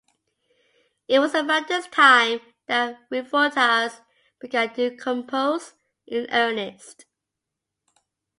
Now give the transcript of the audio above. It was around this time that Revueltas began to compose in earnest.